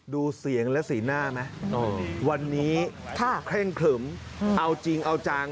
ดูเสียงและสีหน้าไหมวันนี้เคร่งขลึมเอาจริงเอาจัง